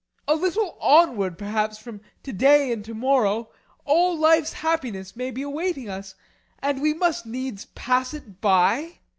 A little onward, perhaps, from to day and to morrow, all life's happiness may be awaiting us. And we must needs pass it by!